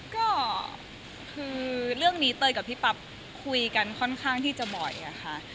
ก็คือเรื่องนี้เตยกับพี่ปั๊บคุยกันค่อนข้างที่จะบ่อยอะค่ะ